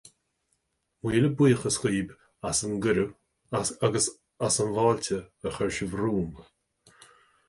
Míle buíochas daoibh as an gcuireadh agus as an bhfáilte a chuir sibh romham.